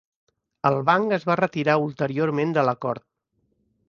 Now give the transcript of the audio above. El banc es va retirar ulteriorment de l'acord.